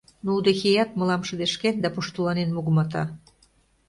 Но удэхеят мылам шыдешкен да пуштыланен мугымата.